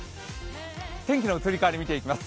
天気の移り変わり見ています。